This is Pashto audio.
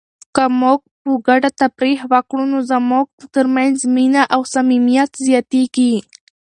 که موږ په ګډه تفریح وکړو نو زموږ ترمنځ مینه او صمیمیت زیاتیږي.